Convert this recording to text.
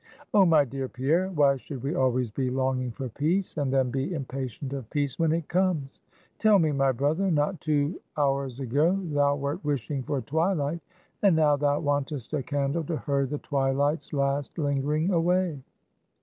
"Oh, my dear Pierre, why should we always be longing for peace, and then be impatient of peace when it comes? Tell me, my brother! Not two hours ago, thou wert wishing for twilight, and now thou wantest a candle to hurry the twilight's last lingering away."